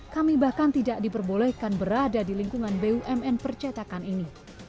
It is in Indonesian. kami bahkan tidak diperbolehkan berada di lingkungan bumn percetakan ini